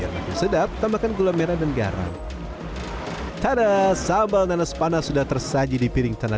makin sedap tambahkan gula merah dan garam ada sambal nanas panas sudah tersaji di piring tanah